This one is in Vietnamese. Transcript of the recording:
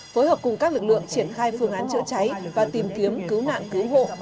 phối hợp cùng các lực lượng triển khai phương án chữa cháy và tìm kiếm cứu nạn cứu hộ